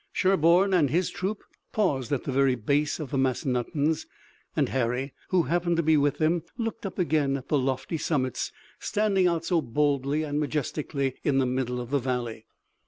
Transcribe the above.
Sherburne and his troop paused at the very base of the Massanuttons and Harry, who happened to be with them, looked up again at the lofty summits standing out so boldly and majestically in the middle of the valley.